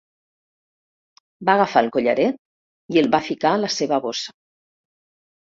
Va agafar el collaret i el va ficar a la seva bossa.